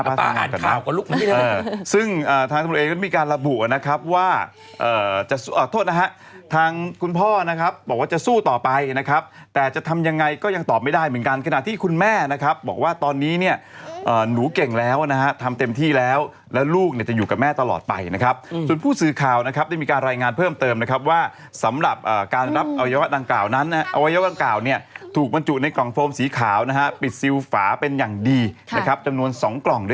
ป่าอาจริงลูกป่าอาจริงลูกป่าอาจริงลูกป่าอาจริงลูกป่าอาจริงลูกป่าอาจริงลูกป่าอาจริงลูกป่าอาจริงลูกป่าอาจริงลูกป่าอาจริงลูกป่าอาจริงลูกป่าอาจริงลูกป่าอาจริงลูกป่าอาจริงลูกป่าอาจริงลูกป่าอาจริงลูกป่าอาจริงลูกป่